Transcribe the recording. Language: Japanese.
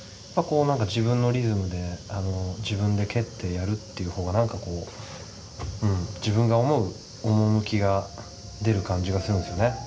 まあこう何か自分のリズムで自分で蹴ってやるっていう方が何かこううん自分が思う趣が出る感じがするんですよね。